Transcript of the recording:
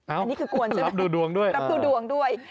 อันนี้คือกวนใช่ไหมรับดูดวงด้วยรับดูดวงด้วย